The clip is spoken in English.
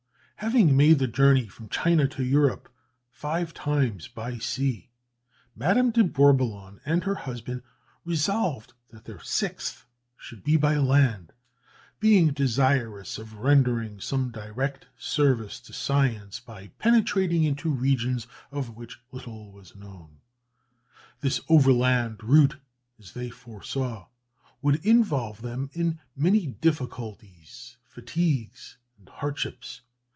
Having made the journey from China to Europe five times by sea, Madame de Bourboulon and her husband resolved that their sixth should be by land, being desirous of rendering some direct service to science by penetrating into regions of which little was known. This overland route, as they foresaw, would involve them in many difficulties, fatigues, and hardships.